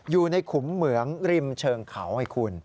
อยู่ในขุมเหมืองริมเชิงเขาไงคุณ